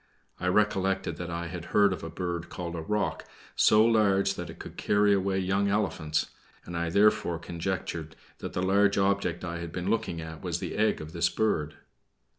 I recollected that I had heard of a bird called the roc, so large that it could carry away young elephants, and I therefore conjectured that the large object I had been looking at was the egg of this bird.